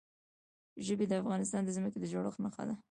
ژبې د افغانستان د ځمکې د جوړښت نښه ده.